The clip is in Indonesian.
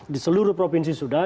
di seluruh provinsi sudah